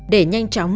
để nhanh chóng